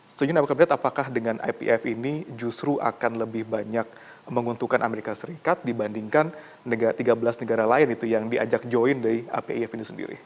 setuju anda melihat apakah dengan ipf ini justru akan lebih banyak menguntungkan amerika serikat dibandingkan tiga belas negara lain itu yang diajak join dari if ini sendiri